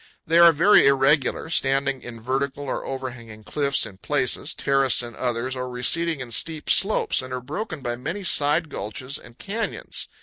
They are very irregular, standing in vertical or overhanging cliffs in places, terraced in others, or receding in steep slopes, and are broken by many side gulches and canyons.